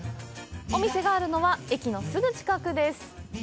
お店があるのは駅のすぐ近くです。